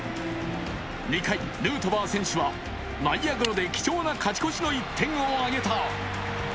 ２回、ヌートバー選手は内野ゴロで貴重な勝ち越しの１点を挙げた。